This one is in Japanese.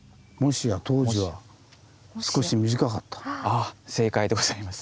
あぁ正解でございます。